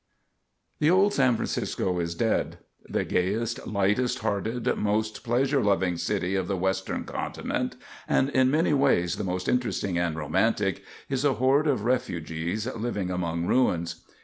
The old San Francisco is dead. The gayest, lightest hearted, most pleasure loving city of the western continent, and in many ways the most interesting and romantic, is a horde of refugees living among ruins.